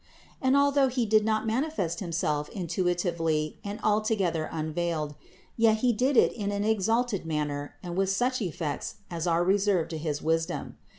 And although He did not manifest Himself intuitively and altogether unveiled, yet He did it in an exalted manner and with such effects as are reserved to his wisdom.